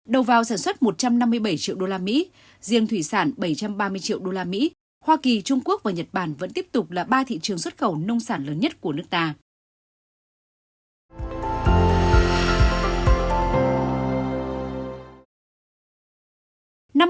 đầu vào sản xuất một trăm năm mươi bảy triệu usd riêng thủy sản bảy trăm ba mươi triệu usd hoa kỳ trung quốc và nhật bản vẫn tiếp tục là ba thị trường xuất khẩu nông sản lớn nhất của nước ta